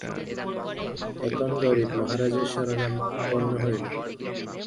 এখন গরিব, মহারাজের শরণাপন্ন হইল।